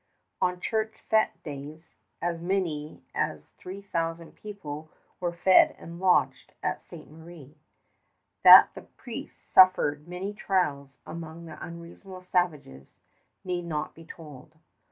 On church fête days as many as three thousand people were fed and lodged at Ste. Marie. That the priests suffered many trials among the unreasonable savages need not be told.